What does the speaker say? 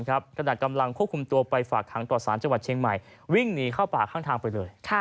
ขณะกำลังควบคุมตัวไปฝากขังต่อสารจังหวัดเชียงใหม่วิ่งหนีเข้าป่าข้างทางไปเลย